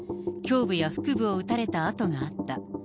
胸部や腹部を撃たれた痕があった。